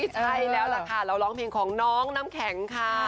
ใช่แล้วล่ะค่ะเราร้องเพลงของน้องน้ำแข็งค่ะ